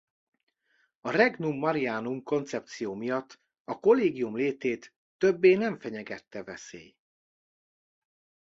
A Regnum Marianum koncepció miatt a kollégium létét többé nem fenyegette veszély.